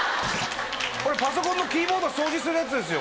パソコンのキーボード掃除するやつですよ